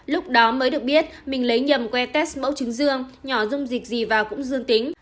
lúc đó mới được biết mình lấy nhầm west mẫu chứng dương nhỏ dung dịch gì vào cũng dương tính